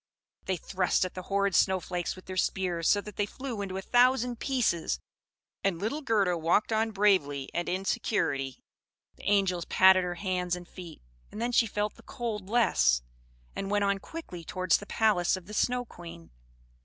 They thrust at the horrid snow flakes with their spears, so that they flew into a thousand pieces; and little Gerda walked on bravely and in security. The angels patted her hands and feet; and then she felt the cold less, and went on quickly towards the palace of the Snow Queen.